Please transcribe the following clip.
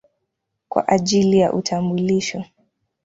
kwa ajili ya utambulisho.